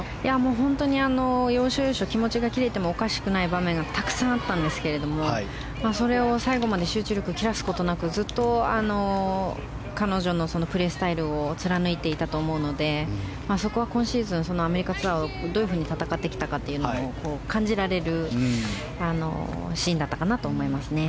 本当に要所要所気持ちが切れてもおかしくない場面がたくさんあったんですけど最後まで集中力を切らすことなくずっと彼女のプレースタイルを貫いていたと思うのでそこは今シーズンアメリカツアーをどう戦ってきたかが感じられるシーンだったかなと思います。